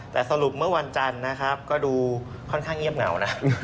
แต่สรุปเมื่อวันจันทร์นะครับก็ดูค่อนข้างเงียบเหงานะ